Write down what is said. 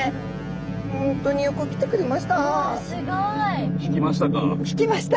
本当によく来てくれました。